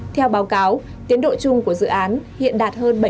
theo báo cáo tiến độ chung của dự án hiện đạt hơn bảy mươi